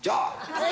はい。